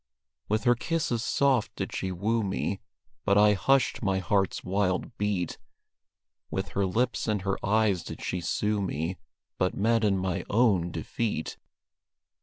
With her kisses soft did she woo me, But I hushed my heart's wild beat; With her lips and her eyes did she sue me, But met in my own defeat.